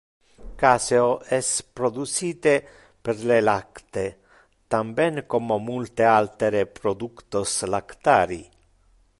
Caseo es producite per le lacte, tam ben como multe altere productos lactari.